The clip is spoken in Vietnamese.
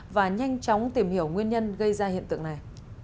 và nhanh chóng tìm hiểu nguyên nhân gây ra hiện tượng này